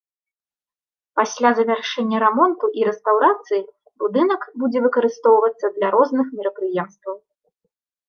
Пасля завяршэння рамонту і рэстаўрацыі, будынак будзе выкарыстоўвацца для розных мерапрыемстваў.